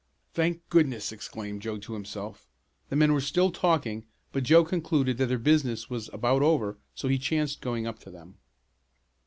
"Thank goodness!" exclaimed Joe to himself. The men were still talking, but Joe concluded that their business was about over so he chanced going up to them.